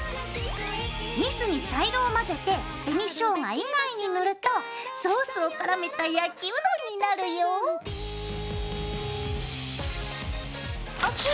ニスに茶色を混ぜて紅ショウガ以外に塗るとソースをからめた焼きうどんになるよ。ＯＫ！